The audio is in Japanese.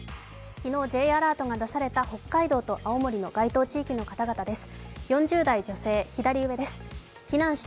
昨日、Ｊアラートが出された北海道と青森の該当地域の方々です。